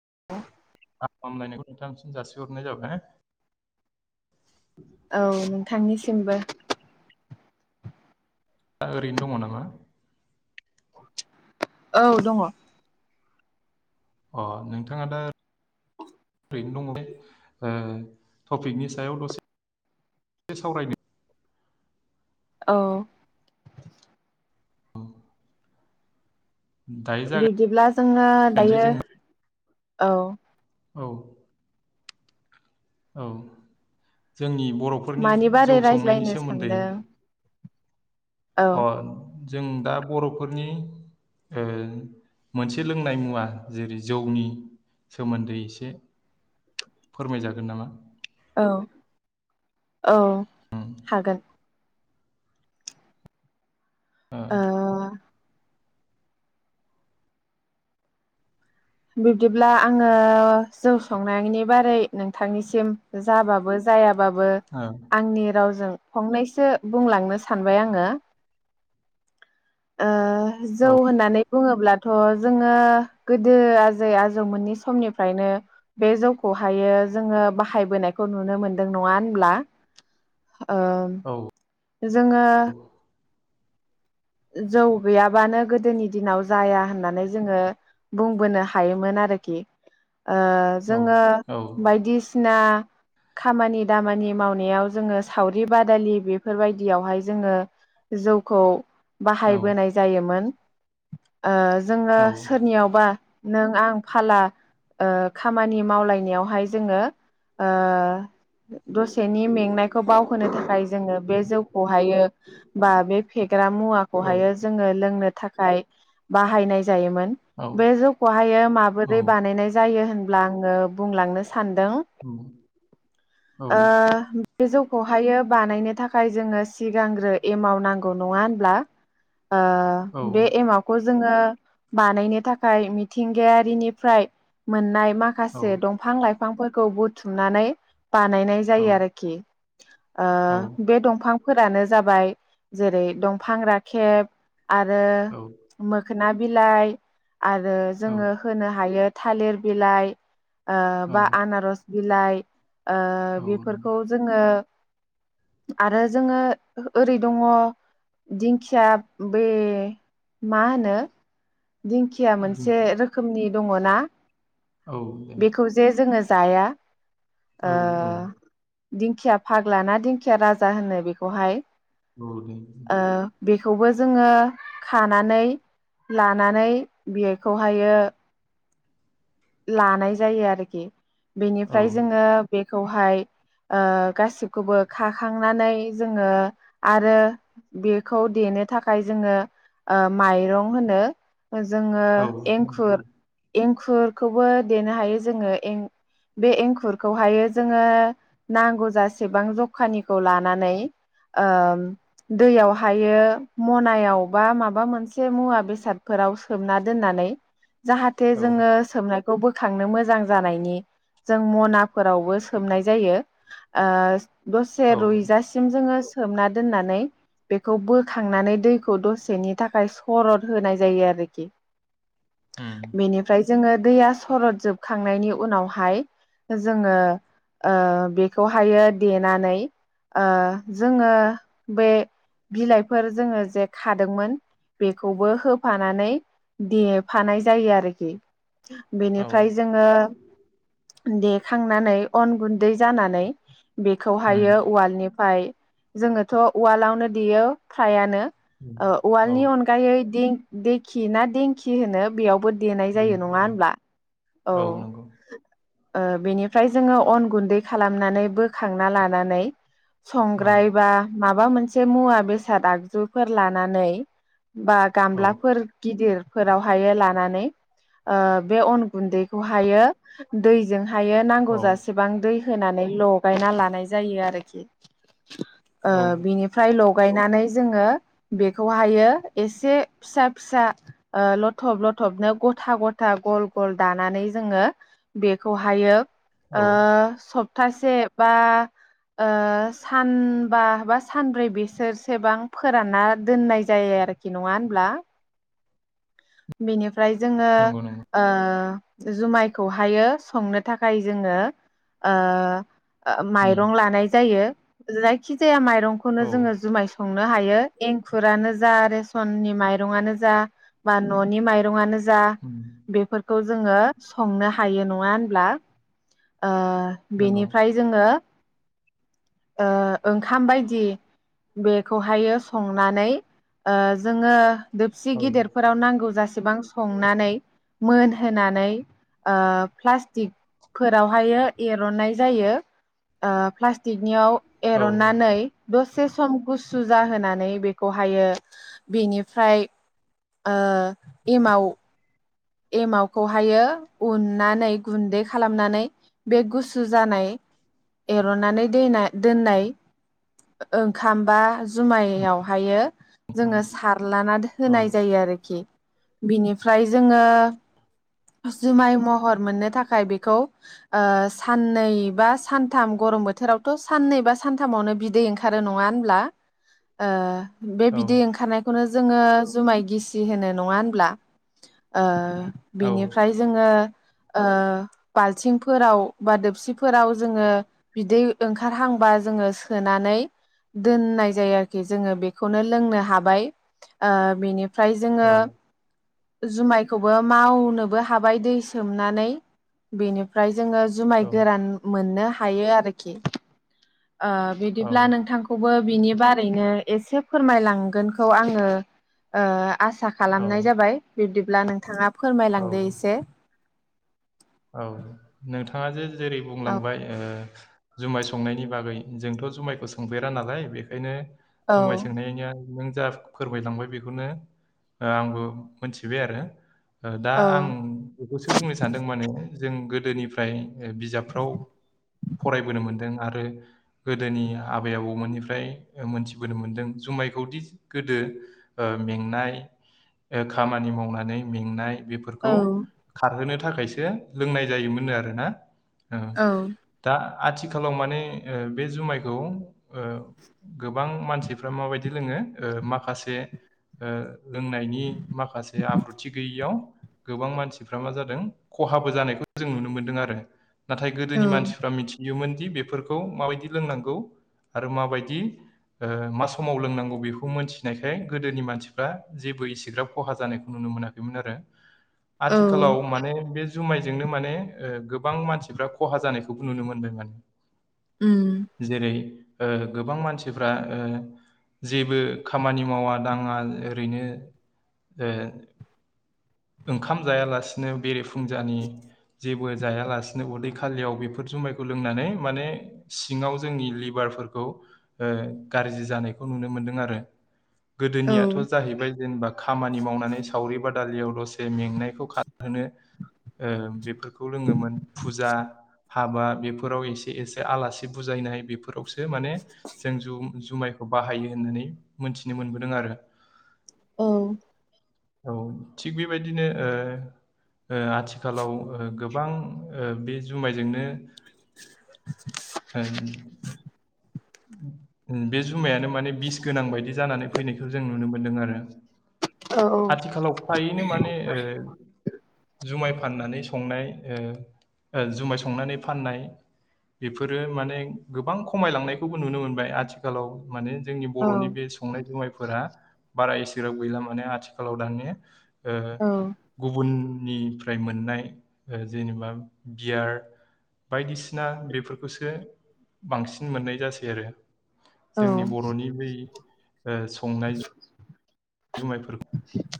[inaudible] हामलायनायखौ नोंथांसिम जासिहरनाय जाबाय औ नोंथांनि सिमबो दा ओरैनो दङ नामा औ दङ अ नोंथाङा दा ओरैनो दङ टपिकनि सायाव दसे सावरायनो औ दायो बिदिब्ला जोङो जागायनोसै दायो जों औ औ औ जोंनि बर'फोरनि मानि जौ बारै संनायनि रायज्लायनो सोमोन्दै सानदों औ अ जों दा बर'फोरनि मोनसे लोंनाय मुवा जेरै जौनि सोमोन्दै एसे फोरमायजागोन नामा औ औ हागोन ओ बिब्दिब्ला आङो जौ संनायनि बारै नोंथांनिसिम जाबाबो जायाबो आंनि रावजों फंनैसो बुंलांनो सानबाय आङो ओ जौ होननानै बुङोब्लाथ' जोङो गो गोदो आजै आजौमोननि समनिफ्रायनो बे जौखौहायो जोङो बाहायबोनायखौ नुनो मोनदों नङा होनब्ला ओ जोङो जौ गैयाबानो गोदोनि दिनाव जाया होननानै जोङो बुंबोनो हायोमोन आरोखि ओ औ जोङो औ बायदिसिना खामानि दामानि मावनायाव जोङो सावरि बादालि बेफोरबायदियावहाय जोङो जौखौ औ बाहायबोनाय जायोमोन ओ जोङो औ सोरनियावबा नों आं फाला ओ खामानि ओ मावलायनायावहाय जोङो दसेनि मेंनायखौ बावहोनो थाखाय जोङो बे जौ बहायो बा बे फेग्रा मुवाखौ बेखौ हायो जोंङो लों थाखाय बाहायनाय जायोमोन औ बे जौखौहायो औ माबोरै बानायनाय जायो होन ब्ला आङो बुंलांनो सानदों औ ओ बे जौखौहाय बानायनो थाखाय जोङो सिगांग्रो एमाव नांगौ नङा होनब्ला? औ ओ बे एमावखौ जोङो बानायनो थाखाय मिथिंगायारिनिफ्राय मोननाय औ माखासे दंफां लाइफ फांफोरखौ बुथुमनानै बानायनाय जायो आरोखि औ ओ बे दंफां। फोरानो जाबाय जेरै दंफां रां खेब आरो औ मोख खोना बिलाइ आरो औ जोङो होनो हायो थालिर बिलाइ ओ बा औ आनारस बिलाइ। ओ औ बेफोरखौ जोङो आरो जोङो ओरै दङ दि खिया बे मा होनो दिंखिया दि मोनसे रोखोमनि दङ ना औ दे बेखौ जे जोङो जाया औ औ ओ। दिंखिया फाग्ला ना दिंखिया राजा होनो बेखौहाय। औ। ओ बेखौबो जोङो खानानै लानानै बेखौहायो लानाय जायो आरोखि औ बेनिफ्राय जोङो बे खौहाय ओ गासिबखौबो खाखांनानै जोङो आरो बे खौ देनो थाखाय जोङो माइरं होनो जोङो एंखुर एंखुरखौबो देनो हायो जोङो एं बे एंखुरखौहायो जोङो नांगौ जासेबां जखानिखौ लानानै ओ दैयाव हायो मनायाव बा माबा मोनसे मुवा बेसादफोराव सोमना दोननानै जाहाथे औ जोङो सोमनाय खौ बोखांनो मो जां जानायनि जों मनाफोरावबो सोमनाय जायो ओ दसे रुैजासिम जोङो सोमना दोननानै बेखौ बोखांनानै दैखौ दसेनि थाखाय सरद होनाय जायो आरोखि बेनिफ्राय जोङो दैया सरद जोबखांनायनि उनावहाय जोङो ओ बेखौहायो देनानै ओ जोङो बे बिलाइफोर जोङो जे खादोंमोन बेखौबो होफानानै देफानाय जायो आरोखि। औ उम औ बेनिफ्राय जोङो दे खांनानै अन गुन्दै जानानै [inaudible] उम बेखौहायो उवालनिफ्राय जोङोथ' उवालावनो देयो फ्रायानो उम ओ औ उवालनि अनगायै दिं देखि ना देंखि होनो बेयावबो देनाय जायो दिंखिया नङा होनब्ला औ ओ बेनिफ्राय जोङो अन गुन्दै खालामनानै बोखांना लानानै औ संग्रायबा मा बा मोनसे मुवा बेसाद आगजुफोर लानानै बा औ गामलाफोर गिदिर फोरावहायो लानानै ओ बे अन गुन्दैखौहायो दैजों थायो नांगौ औ जसेबां दै होनानै लगायना लानाय जायो आरोखि। ओ औ बिनि फ्राय लगायनानै जोङो बेखौहायो एसे फिसा फिसा लथब लथबनो गथा गथा गल गल दानानै जोङो बेखौहायो ओ औ सब प्तासे बा सानबा बा सानब्रै बेसोरसेबां फोरानना दोननाय जायो आरोखि नङा होनब्ला बेनि फ्राय जोङो नंगौ नंगौ ओ जुमायखौहायो संनो थाखाय जोङो उम माइरं लानाय जायो जाइखि जाया माइरं खौनो औ जोङो जुमाय सं संनो हायो एंखुरानो जा रेसननि माइरंनो जा बा ननि माइरंआनो जा जा उम बेफोर खौ जोङो संनो हायो नङा होनब्ला ओ नंगौ बेनिफ्राय जोङो ओ ओंखाम बायदि बेखौहायो संनानै जोङो दोबसि औ गिदिरफोराव नांगौ जेसेबां संनानै मोनहोनानै ओ प्लास्टिकफोरावहाय एरननाय जायो प्लास्टिकनियाव औ एरननानै दसे सम गुसु जाहोनानै बेखौहायो बेनिफ्राय एमाव एमावखौहायो उननानै गुन्दै खालामनानै बे गुसु जानाय एरनानै दै दोननाय ओंखाम बा जुमायावहायो ओंखाम जोङो सारलाना औ होनाय जायो आरोखि बिनिफ्राय जों जोङो जुमाय महर मोननो थाखाय बेखौ ओ साननै बा सानथाम गरम बोथोरावथ साननै बा सानथामावनो बिदै ओंखारो नङा होनब्ला बे औ बिदै ओंखारनायखौनो जोङो जुमाय गिसि होनो नङा होनब्ला ओ औ बिनिफ्राय जोङो ओ बालथिंफोराव बा दोबसिफोराव जोङो बिदै ओंखारहांबा जोङो सोनानै दोननाय जायो आरोखि जोङो बेखौनो लोंनो हाबाय ओ बेनि ओमफ्राय जोङो औ जुमाइ खौबो मावनोबो हाबाय दै सोमनानै बेनिफ्राय जोङो जुमाय गोरान मोनो हायो आरोखि ओ बिदिब्ला औ नोंथांखौबो बिनि बारैनो एसे फोरमायलांगोनखौ आंङो ओ आसा खालामनाय जाबाय बिब्दि अब्ला नों [unintelligible] औ फोरमायलांदो एसे। औ नोंथांङा जे जेरै बुंलांबाय ओ जुमाय संनायनि बागै जोंथ' जुमायखौ सोंफेरा नालाय बेखायनो औ जुमाय सोंनायया नों जा फोरमायलांबाय बेखौनो आंबो मोनथिबाय आरो। ओ दा आं बेखौसो बुंनो सानदों माने जों गोदोनिफ्राय ओ बिजाबफ्राव फरायबोनो मोनदों आर रो गोदोनि आबै आबौमोननिफ्राय मोनथिबोनो मोनदों जुमायखौदि गोदो ओ मेंनाय ओ खामानि मावनानै मेंनाय औ बेफोरखौ खारहोनो था थाखायसो लोंनाय जायोमोननो आरो ना? ओ औ दा आथिखालाव माने ओ बे जुमायखौ ओ गोबां मानसिफ्रा माबायदि लोङो ओ माखासे ओ लोंनायनि माखासे आब्रुथि गैयियाव गोबां मानसिफ्रा मा जादों खहा खहाबो जानायखौ जों नुनो मोन्दों आरो। नाथाय गोदोनि मानसिफ्रा मिथियोमोन। दि बेफोरखौ माबायदि लोंनांगौ आरो माबायदि ओ मा समाव लोंनांगौ बेखौ मोनथिनायखाय गोदोनि मानसिफ्रा जेबो इसेग्राब खहा जानायखौ नुनो मोनाखैमोन आरो। औ आथिखालाव माने बे जुमायजोंनो माने ओ गोबां मानसिफ्रा खहा जानायखौबो नुनो मोनदों मोन। उम जेरै ओ गोबां मानसिफ्रा ओ जेबो खामानि मावा दाङा ओरैनो ओ ओंखाम जायालासिनो बेरेफु फुंजानि जेबो जाया लासेनो उदै खालियाव बेफोर जुमायखौ लोंनानै माने सिङाव जोंनि लिभारफोरखौ ओ गाज्रि जानायखौ नुनो मोनदों आरो। औ गोदोनियाथ' जाहैबाय जेनेबा खामानि मावनानै सावरि बाद दालियाव दसे में मेंनायखौ खारहोनो ओ बेफोरखौ लोङोमोन फुजा हाबा बेफोराव एसे एसे आलासि बुजायनाय बेफोर बेफोराव माने जों जु जुमाय बाहायो होननानै मोनथिनो मोनबोदों आरो। औ औ थिग बेबायदिनो ओ ओ आथिखालाव ओ गो बां ओ बे जुमायजोंनो ओ बे जुमायानो माने बिस गोनां बायदि जानानै फैनायखौ जों नुनो मोनदों आरो औ आथिखालाव फ्रायैनो माने ओ जुमाय फाननानै संनाय ओ ओ जुमाय संनानै फाननाय बिफोरो माने गोबां खमायलांनाय खौबो नुनो मोनबाय। आथिखालाव माने जोंनि औ बर'नि बे संनाय जुमायफोरा बारा इसेग्राब गैला माने आथिखालाव दानिया ओ गुबुन निफ्राय मोननाय जेनेबा बियार बायदिसिना बेफोरखौसो बांसिन मोननाय जा सै आरो। औ जोंनि बर'नि बै ओ संनाय जुमायफोर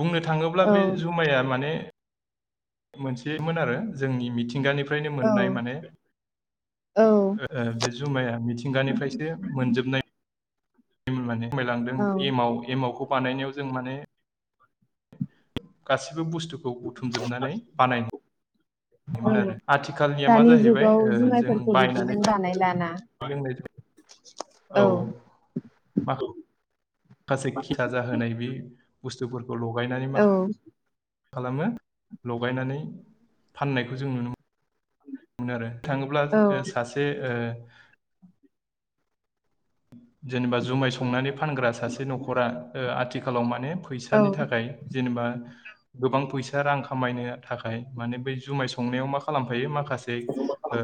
बुंनो थाङोब्ला बे जुमाया माने मोनसेमोन आरो जोंनि मिथिंगानि फ्रायनो मोननाय माने ओ बे जुमाया मिथिंगानिफ्रायसो मोनजोबनाय मोन माने। फोरमायलांदों औ एमाव एमावखौ बानायनायाव जों माने गासि बो बुस्थुखौ बुथुमजोबनानै बानाय औ दानि जाहैबाय जुगाव जुमायफोरखौ बिदिजों बानायला। ना जोंनि औ माखा खासे खिरा जाहोनाय बे बुस्थुफोर खौ लगायनानै मा औ खालामो लगायनानै फाननायखौ जों नुनो मोनो आरो थाङोब्ला औ ओ सासे ओ जेनेबा जुमाय संनानै फानग्रा सासे न'खरा ओ आथिखालाव माने फैसानि थाखाय जेनेबा गोबां फैसा रां खामायनो थाखाय माने बै जुमाय संनायाव मा खालामफायो मा खासे ओ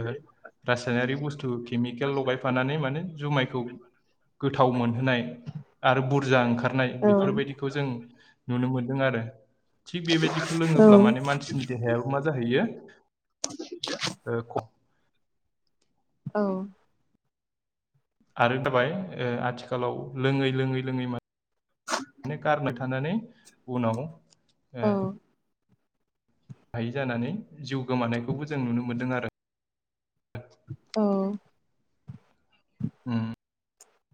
रासायनारिक बुस्थु केमिकेल लगायफानानै माने जुमायखौ गोथाव मोनहोनाय आरो बुरजा ओंखारनाय बेफोरबायदिखौ जों नुनो मोनदों आरो। थिग बेबायदिखौ औ लोङोब्ला माने मानसिनि देहायाबो मा जाहैयो [inaudible] [unintelligible] औ। आरो जाबाय आथिखालाव लोङै लोङै लोङै नो। माने गारनो थानानै उनाव। ओ। औ हायि जानानै जिउ गोमानायखौबो जों नुनो मोन्दों आरो। औ। उम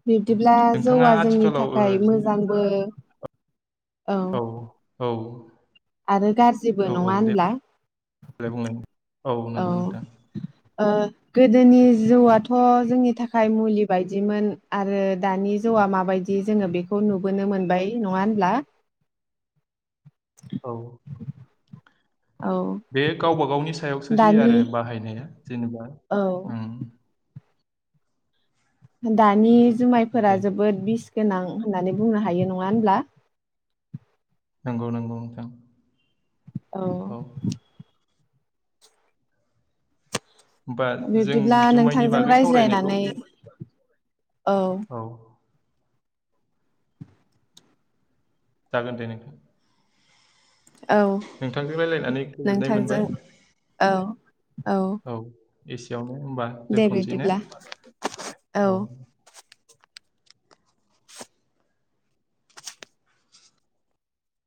बिब्दिब्ला नोंथाङा जौआ जोंनि आथिखालाव ओ थाखाय जि- मोजांबो। औ औ। आरो गाज्रिबो औ नङा औ होनब्ला। देलाय बुंलाय औ नंगौ नोंथां। गोदोनि जौआथ' जोंनि थाखाय मुलि बायदिमोन आरो दानि जौआ माबायदि जोङो बेखौ नुबोनो मोनबाय नङा होनब्ला। औ औ बे गावबा गावनि सायावसोसैयो दानि आरो बाहायनाया। जेनेबा औ उम। दानि। जुमायफोरा दे जोबोद बिस गोनां होननानै बुंनो हायो नङा होनब्ला। नंगौ नंगौ नोंथां। औ। होमबा जों बिब्दिब्ला जुमायनि नोंथांजों बागै सावरायनायखौ। रायज्लायनानै औ। जागोन दे नोंखौ। औ रायलायनानै गोजोननाय नोंथांजों मोनबाय औ औ। एसियावनो। होनबा दे दोनथ'नोसै ने बिदिब्ला औ।